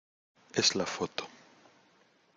es la foto...